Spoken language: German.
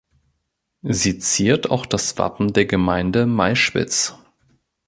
Sie ziert auch das Wappen der Gemeinde Malschwitz.